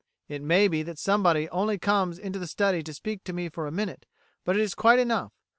It may be that somebody only comes into the study to speak to me for a minute, but it is quite enough.